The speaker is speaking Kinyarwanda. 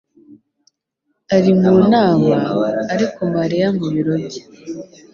ari mu nama, ariko Mariya mu biro bye.